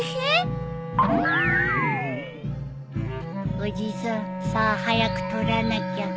おじさんさあ早く撮らなきゃ。